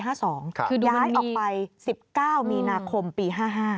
ย้ายออกไป๑๙มีนาคมปี๕๕